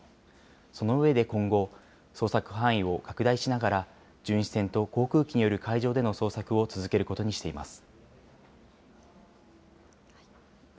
その上で今後、捜索範囲を拡大しながら、巡視船と航空機による海上での捜索を続けることにしています。